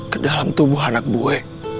kedalam tubuh anak bui